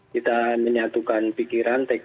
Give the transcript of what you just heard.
kita menyatukan pikiran